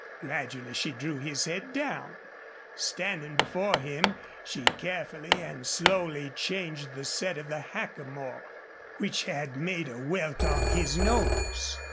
Gradually she drew his head down. Standing before him, she carefully and slowly changed the set of the hackamore, which had made a welt on his nose.